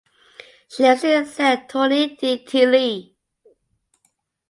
She lives in Saint-Antoine-de-Tilly.